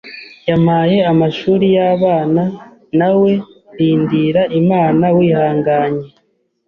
yampaye amashuri y’abana. Nawe rindira Imana wihanganye